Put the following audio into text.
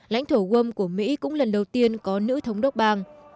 lãnh thổ wom của mỹ cũng lần đầu tiên có nữ thống đốc bang